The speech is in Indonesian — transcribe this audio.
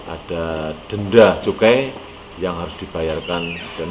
ada denda cukai yang harus dibayarkan